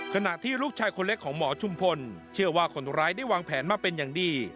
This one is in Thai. ขณะที่ลูกชายคนเล็กของหมอชุมพลเชื่อว่าคนร้ายได้วางแผนมาเป็นอย่างดี